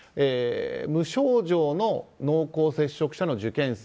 無症状の濃厚接触者の受験生。